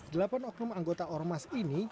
delapan oknum anggota ormas ini